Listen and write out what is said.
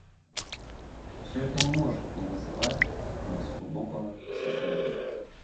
Все это не может не вызывать у нас глубокого сожаления.